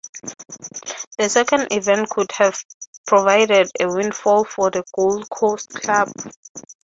The second event could have provided a windfall for the Gold Coast club.